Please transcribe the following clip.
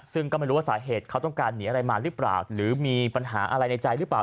ซึ่งก็ไม่รู้ว่าสาเหตุเขาต้องการหนีอะไรมาหรือเปล่าหรือมีปัญหาอะไรในใจหรือเปล่า